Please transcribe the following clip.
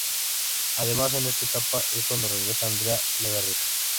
Además en esta etapa es cuando regresa Andrea Legarreta.